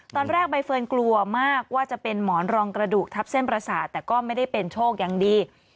ตอนแรกใบเฟิร์นกลัวมากว่าจะเป็นหมอนรองกระดูกทับเส้นประสาทแต่ก็ไม่ได้เป็นโชคอย่างดี